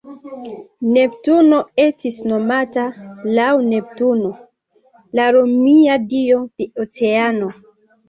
Neptuno estis nomata laŭ Neptuno, la romia dio de oceano.